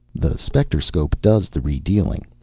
The specterscope does the redealing.